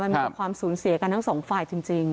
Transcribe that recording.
มันมีความสูญเสียกันทั้งสองฝ่ายจริง